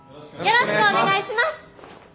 よろしくお願いします。